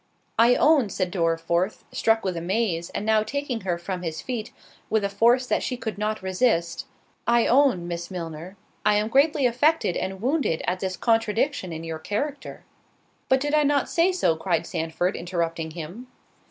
"I own," said Dorriforth, (struck with amaze, and now taking her from his feet with a force that she could not resist) "I own, Miss Milner, I am greatly affected and wounded at this contradiction in your character."— "But did not I say so?" cried Sandford, interrupting him.